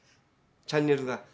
チャンネルが。